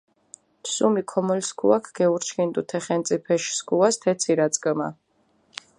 სუმი ქომოლ სქუაქ გეურჩქინდუ თე ხენწიფეში სქუას თე ცირაწკჷმა.